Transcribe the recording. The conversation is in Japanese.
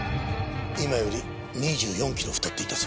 今より２４キロ太っていたそうです。